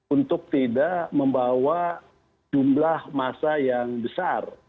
untuk tidak membawa jumlah masa yang besar